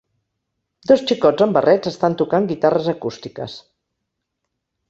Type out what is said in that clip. Dos xicots amb barrets estan tocant guitarres acústiques.